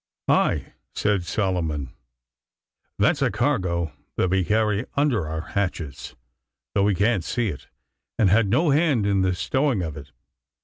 'Aye!' said Solomon, 'that's a cargo that we carry under our hatches, though we can't see it, and had no hand in the stowing of it.